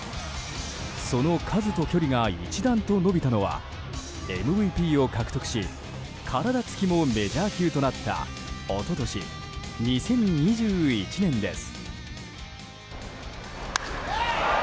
その数と距離が一段と伸びたのはＭＶＰを獲得し体つきもメジャー級となった一昨年、２０２１年です。